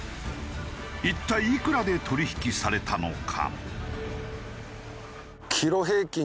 一体いくらで取引されたのか？